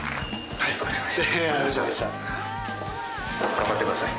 頑張ってください。